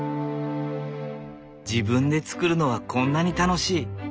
自分で作るのはこんなに楽しい！